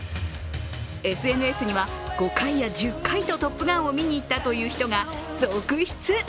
ＳＮＳには、５回や１０回と「トップガン」を見に行った人が続出。